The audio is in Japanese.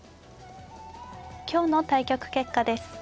今日の対局結果です。